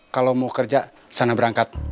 kalau mau kerja sana berangkat